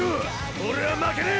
オレは負けねえ！